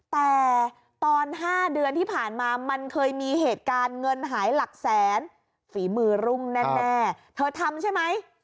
แต่ตอน๕เดือนที่ผ่านมามันเคยมีเหตุการณ์เงินหายหลักแสนฝีมือรุ่งแน่เธอทำใช่ไหม